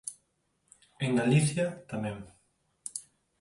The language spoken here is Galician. En Galicia, tamén.